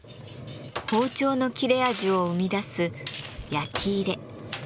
包丁の切れ味を生み出す焼き入れ。